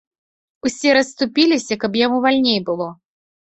Усе расступіліся, каб яму вальней было.